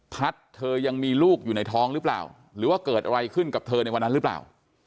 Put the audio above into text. เธอยังมีลูกอยู่ในท้องหรือเปล่าหรือว่าเกิดอะไรขึ้นกับเธอในวันนั้นหรือเปล่า